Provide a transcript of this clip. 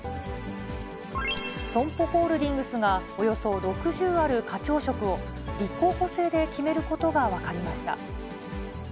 ソンポホールディングスが、およそ６０ある課長職を立候補制で決めることが分かりました。